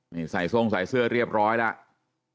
นี่ใส่ทรงใส่เสื้อเรียบร้อยแล้ว